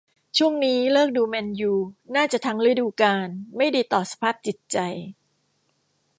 ช่วงนี้เลิกดูแมนยู น่าจะทั้งฤดูกาล ไม่ดีต่อสภาพจิตใจ